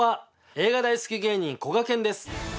映画大好き芸人こがけんです。